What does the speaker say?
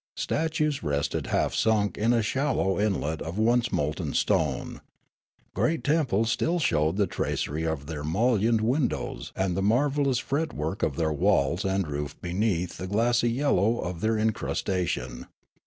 Statues rested half sunk in a shallow inlet of once molten stone. Great temples still showed the tracery of their niullioned windows and the mar vellous fretwork of their walls and roof beneath the glassy yellow of their incrustation.